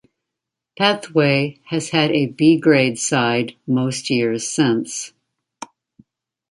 Padthaway has had a B Grade side most years since.